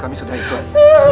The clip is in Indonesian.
kami sudah ikhlas